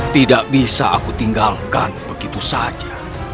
tidak bisa aku tinggalkan begitu saja